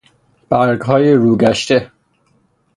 برگ های روگشته